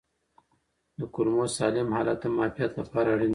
د کولمو سالم حالت د معافیت لپاره اړین دی.